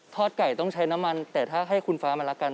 ไก่ต้องใช้น้ำมันแต่ถ้าให้คุณฟ้ามารักกัน